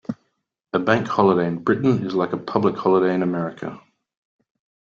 A Bank Holiday in Britain is like a public holiday in America